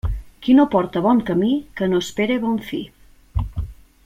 Qui no porta bon camí, que no espere bon fi.